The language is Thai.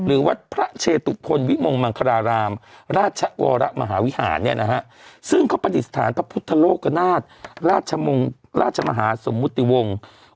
อืมไปนั่งแดงไหน